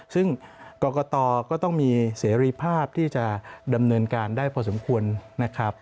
ซึ่งกรกตก็ต้องมีเสรีภาพที่จะดำเนินการได้พอสมควรนะครับ